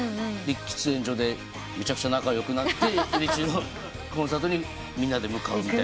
喫煙所でめちゃくちゃ仲良くなってエビ中のコンサートにみんなで向かうみたいな。